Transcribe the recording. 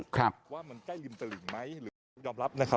ครับ